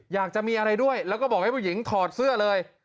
อยากจะมีอะไรด้วยแล้วก็บอกให้ผู้หญิงถอดเสื้อเลย